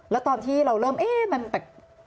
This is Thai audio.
แล้วตอนที่เราเริ่มเอ๊ะมันแปลก